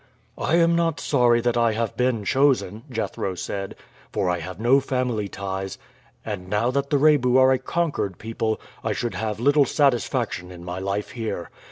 "I am not sorry that I have been chosen," Jethro said, "for I have no family ties, and now that the Rebu are a conquered people I should have little satisfaction in my life here.